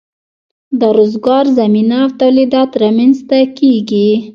د روزګار زمینه او تولیدات رامینځ ته کیږي.